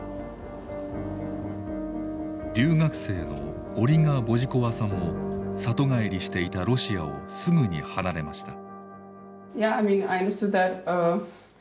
留学生のオリガ・ボジコワさんも里帰りしていたロシアをすぐに離れました。